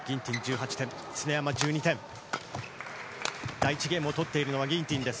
第１ゲームを取っているのはギンティンです。